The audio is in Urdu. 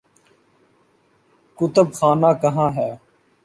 کتب خانہ کہاں ہے؟